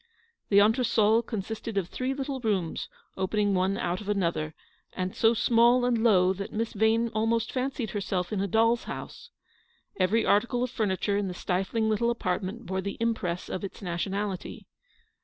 The entresol consisted of three little rooms, opening one out of another, and so small and low that Miss Yane almost fancied herself in a doll's house. Every article of furniture in the stifling little apartment bore the impress of its nation ality.